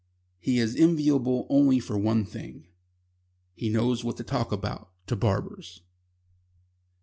He is enviable only for one thing. He knows what to talk about to barbers.